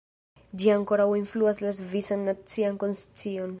Ĝi ankoraŭ influas la svisan nacian konscion.